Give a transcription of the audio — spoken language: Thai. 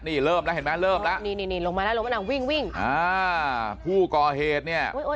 นี่เริ่มแล้วเห็นไหมเริ่มแล้ว